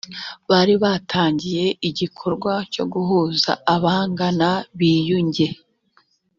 bari batangiye igikorwa cyo guhuza abangana biyunge .